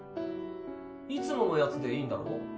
いつもの奴でいいんだろ？